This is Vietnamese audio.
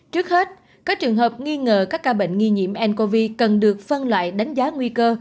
trước hết các trường hợp nghi ngờ các ca bệnh nghi nhiễm ncov cần được phân loại đánh giá nguy cơ